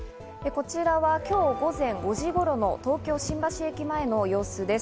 今日午前５時頃の東京・新橋駅前の様子です。